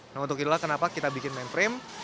nah untuk itulah kenapa kita bikin mainframe